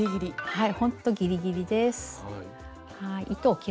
はい。